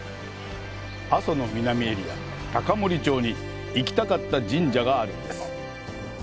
阿蘇の南エリア、高森町に、行きたかった神社があるんです。